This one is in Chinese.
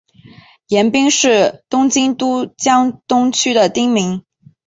盐滨是东京都江东区的町名。